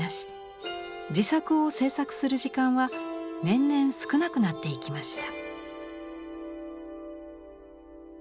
自作を制作する時間は年々少なくなっていきました。